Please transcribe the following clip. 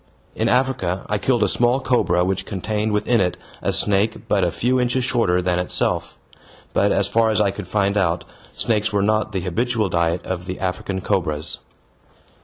In Africa I killed a small cobra which contained within it a snake but a few inches shorter than itself; but, as far as I could find out, snakes were not the habitual diet of the African cobras.